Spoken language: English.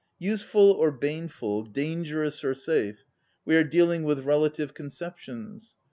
Useful or baneful, dangerous or safe, we are dealing with relative conceptions.